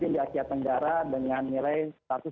di asia tenggara dengan nilai